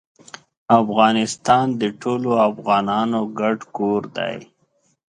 افغانستان د ټولو افغانانو ګډ کور دی.